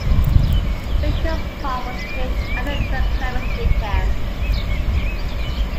Wickham Park was named after John Clements Wickham.